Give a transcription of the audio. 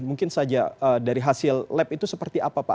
mungkin saja dari hasil lab itu seperti apa pak